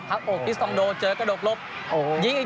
ร้าก็โอปิสต์มา